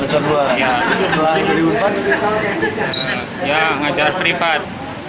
setelah dua ribu empat ya ngajar pripat